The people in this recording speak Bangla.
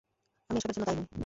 আমি এসবের জন্য দায়ী নই!